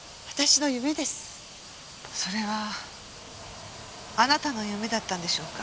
それはあなたの夢だったんでしょうか？